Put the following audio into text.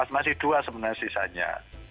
masih dua sebenarnya sisanya